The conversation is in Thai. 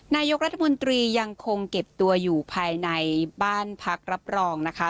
นายกรัฐมนตรียังคงเก็บตัวอยู่ภายในบ้านพักรับรองนะคะ